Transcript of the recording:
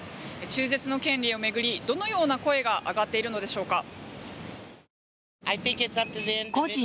中絶の権利を巡りどのような声が上がっているのでしょうか。